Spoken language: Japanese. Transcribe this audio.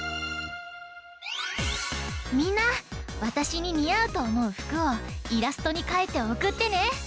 みんなわたしににあうとおもうふくをイラストにかいておくってね！